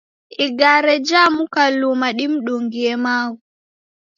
Igare jamuka luma dimdungie maghu